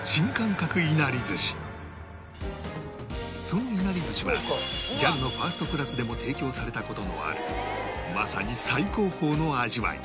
そのいなり寿司は ＪＡＬ のファーストクラスでも提供された事のあるまさに最高峰の味わい